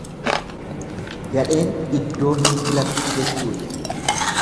Gadheen iddoo hin filattu jechuudha.